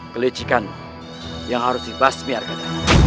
kelecikan yang harus dibasmiarkan